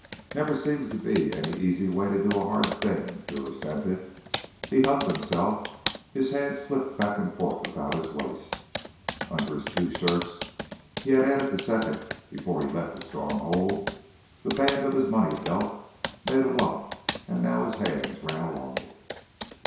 "Never seems to be any easy way to do a hard thing," Drew assented. He hugged himself, his hands slipped back and forth about his waist. Under his two shirts—he had added the second before he left the Stronghold—the band of his money belt made a lump and now his hands ran along it.